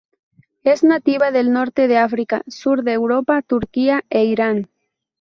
Es nativa del norte de África, sur de Europa, Turquía e Irán.